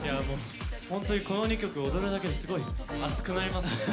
本当にこの２曲踊るだけですごい熱くなりますね。